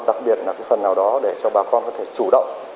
đặc biệt là cái phần nào đó để cho bà con có thể chủ động